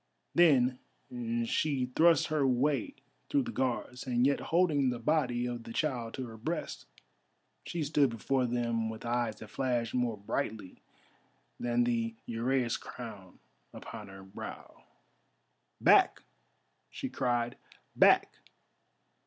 Then she thrust her way through the Guards, and yet holding the body of the child to her breast, she stood before them with eyes that flashed more brightly than the uraeus crown upon her brow. "Back!" she cried, "back!